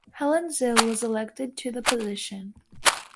Helen Zille was elected to the position.